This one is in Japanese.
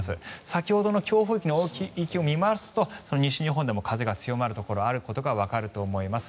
先ほどの強風域の勢いを見ますと西日本でも風が強まるところがあることがわかると思います。